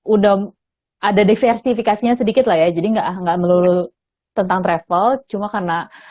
udah ada diversifikasinya sedikit lah ya jadi enggak enggak melulu tentang travel cuma karena